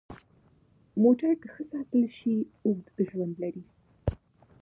موټر که ښه ساتل شي، اوږد ژوند لري.